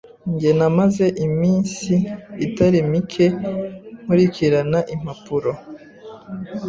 Njye namaze iminsi itari mike nkurikirana impapuro.